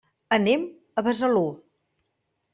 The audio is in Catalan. Anem a Besalú.